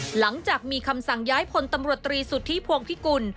หลังจากมีคำสั่งย้ายพลตำรวจตรีสุทธิพวงพิกุล